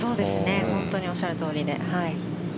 本当におっしゃるとおりで。